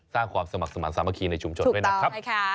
สร้างความสมัครสมาธิสามัคคีในชุมชนด้วยนะครับ